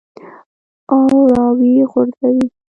او راویې غورځوې.